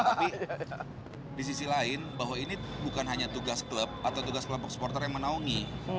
tapi di sisi lain bahwa ini bukan hanya tugas klub atau tugas kelompok supporter yang menaungi